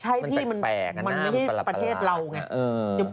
ใช่พี่มันไม่ใช่ประเทศเราไง